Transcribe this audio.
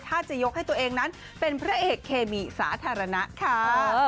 ถ้าจะยกให้ตัวเองนั้นเป็นพระเอกเคมีสาธารณะค่ะ